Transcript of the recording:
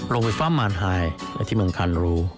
ไฟฟ้ามารไฮและที่เมืองคานรู